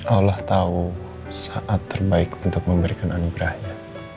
allah tahu saat terbaik untuk memberikan anugerahnya